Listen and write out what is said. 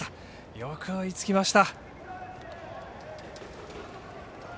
よく追いつきました。